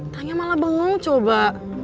tanya malah bangun coba